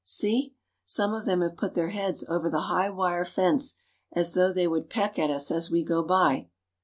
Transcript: See! Some of them have put their ' heads over the high wire fence as though they would peck ! at us as we go by.